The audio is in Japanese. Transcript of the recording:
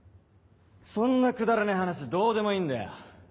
そんなくだらねえ話どうでもいいんだよ。